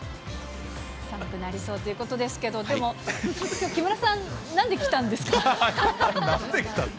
寒くなりそうということですけれども、でも木村さん、なんで来たって。